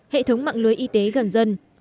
hệ thống mạng lưới y tế gần dân